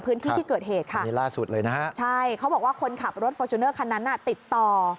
พื้นที่ที่เกิดเหตุค่ะใช่เขาบอกว่าคนขับรถฟอร์จูเนอร์คันนั้นติดต่อ